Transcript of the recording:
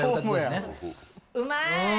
うまーい。